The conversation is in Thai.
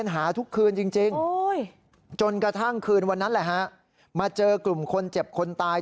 หรอจริงจนกระทั่งคืนวันนั้นมาเจอกลุ่มคนเจ็บคนตาย